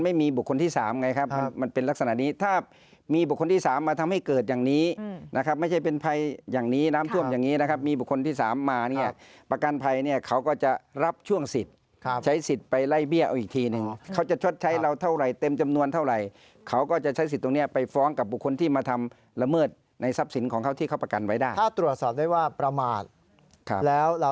มันเป็นลักษณะนี้ถ้ามีบุคคลที่๓มาทำให้เกิดอย่างนี้นะครับไม่ใช่เป็นภัยอย่างนี้น้ำท่วมอย่างนี้นะครับมีบุคคลที่๓มาเนี่ยประกันภัยเนี่ยเขาก็จะรับช่วงสิทธิ์ใช้สิทธิ์ไปไล่เบี้ยเอาอีกทีนึงเขาจะชดใช้เราเท่าไหร่เต็มจำนวนเท่าไหร่เขาก็จะใช้สิทธิ์ตรงนี้ไปฟ้องกับบุคคลที่มาทำละ